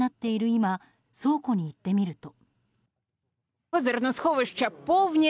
今倉庫に行ってみると。